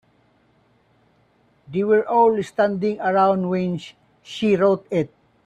They were all standing around when she wrote it.